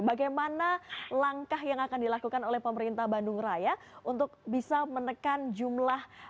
bagaimana langkah yang akan dilakukan oleh pemerintah bandung raya untuk bisa menekan jumlah